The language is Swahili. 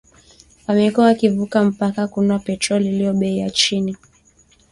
wamekuwa wakivuka mpaka kununua petroli iliyo bei ya chini